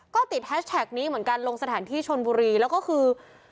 ก็ติดแฮชแท็กนี้เหมือนกันลงสถานที่ชนบุรีแล้วก็คือ